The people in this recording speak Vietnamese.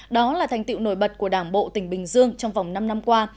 đó là thành tiệu nổi bật của đảng bộ tỉnh bình dương trong vòng năm năm qua